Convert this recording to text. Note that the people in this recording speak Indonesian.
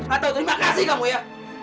atau terima kasih kamu ya